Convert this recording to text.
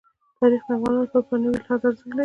تاریخ د افغانانو لپاره په معنوي لحاظ ارزښت لري.